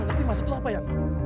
gue gak ngerti masa itu apa ya